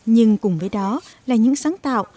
nhưng cùng với đó là những sáng tạo